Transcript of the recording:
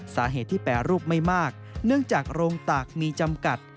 สาเหตุที่แปรรูปไม่มากเนื่องจากโรงตากมีจำกัด